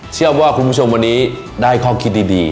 เชื่อว่าคุณผู้ชมวันนี้ได้ข้อคิดดี